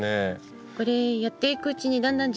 これやっていくうちにだんだん自分の傾向